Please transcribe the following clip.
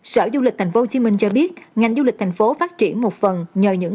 sở du lịch tp hcm cho biết ngành du lịch thành phố phát triển một phần nhờ những